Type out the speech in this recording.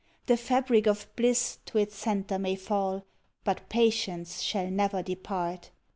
The fabric of bliss to its centre may fall, But patience shall never depart!